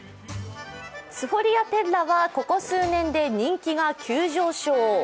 スフォリアテッラはここ数年で人気が急上昇。